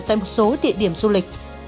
tại một số địa điểm du lịch